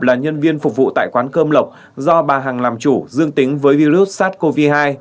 là nhân viên phục vụ tại quán cơm lộc do bà hằng làm chủ dương tính với virus sars cov hai